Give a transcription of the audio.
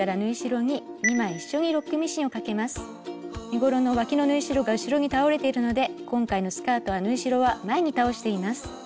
身ごろのわきの縫い代が後ろに倒れているので今回のスカートは縫い代は前に倒しています。